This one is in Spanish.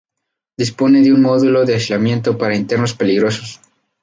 Dispone de un módulo de aislamiento para internos peligrosos.